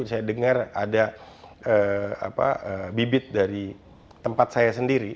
saya dengar ada bibit dari tempat saya sendiri